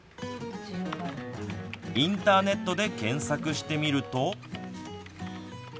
インターネットで検索してみると。